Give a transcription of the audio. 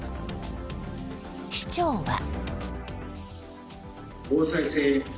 市長は。